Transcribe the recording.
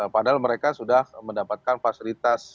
padahal mereka sudah mendapatkan fasilitas